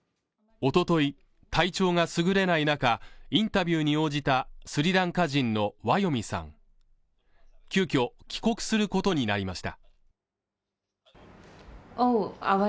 おととい体調が優れない中インタビューに応じたスリランカ人のワヨミさん急きょ帰国することになりました